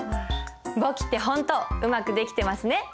簿記って本当うまくできてますね。